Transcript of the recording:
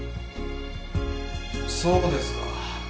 そうですか。